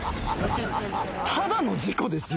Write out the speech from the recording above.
ただの事故ですよ。